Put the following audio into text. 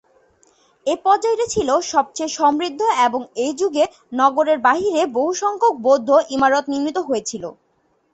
এ পর্যায়টি ছিল সবচেয়ে সমৃদ্ধ এবং এ যুগে নগরের বাইরে বহুসংখ্যক বৌদ্ধ ইমারত নির্মিত হয়েছিল।